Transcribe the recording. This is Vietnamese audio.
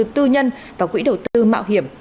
quỹ đầu tư nhân và quỹ đầu tư mạo hiểm